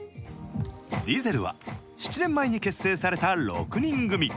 ディゼルは７年前に結成された６人組。